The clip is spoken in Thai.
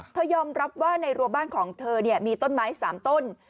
ยอมรับว่าในรัวบ้านของเธอมีต้นไม้๓ต้น